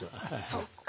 そっか。